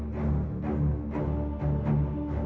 benar juga kata ibu